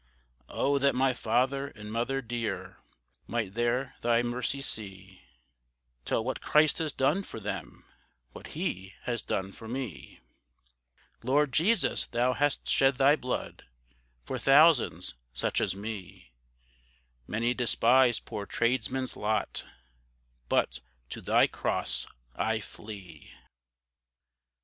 Oh, that my father and mother dear, Might there thy mercy see, Tell what Christ has done for them, What he has done for me. Lord, Jesus thou hast shed thy blood, For thousands such as me, Many despise poor Tradesmen's lot, But to thy cross I flee.